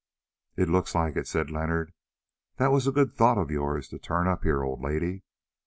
"It looks like it," said Leonard; "that was a good thought of yours to turn up here, old lady."